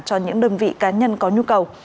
cho những đơn vị cá nhân có nhu cầu